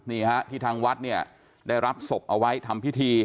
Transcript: นี่ฮะที่ทางวัดเนี่ยได้รับศพเอาไว้ทำพิธี